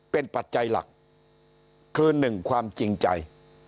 เป็นปัจจัยหลักคือหนึ่งความจริงใจ